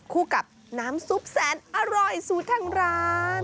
คู่กับน้ำซุปแสนอร่อยสูตรทางร้าน